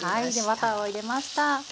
バターを入れました。